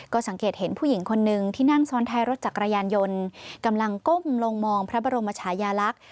ก็สังเกตเห็นผู้หญิงคนนึงที่นั่งซ้อนท้ายรถจักรยานยนต์กำลังก้มลงมองพระบรมชายาลักษณ์